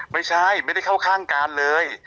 ไม่ใช่ไม่ได้ข้าวข้างการเลย